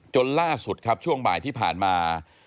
จนล่าสุดครับช่วงบ่ายที่ผ่านมา